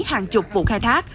hàng chục vụ khai thác